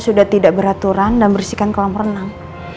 sudah tidak beraturan dan bersihkan kolam renang